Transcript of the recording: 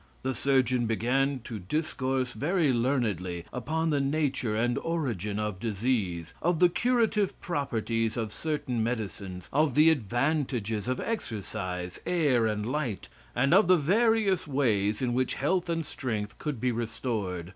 The surgeon began to discourse very learnedly upon the nature and origin of disease; of the curative properties of certain medicines; of the advantages of exercise, air and light, and of the various ways in which health and strength could be restored.